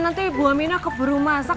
nanti ibu amina keburu masak